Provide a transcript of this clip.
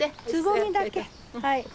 はい。